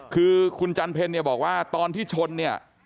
คือคุณจันเพลเนี่ยบอกว่าตอนที่ชนเนี่ย